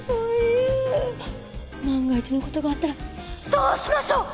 万が一の事があったらどうしましょう！？